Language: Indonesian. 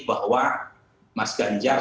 bahwa mas ganjar